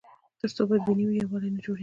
تر څو بدبیني وي، یووالی نه جوړېږي.